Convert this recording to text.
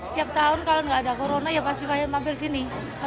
setiap tahun kalau nggak ada corona ya pasti mampir sini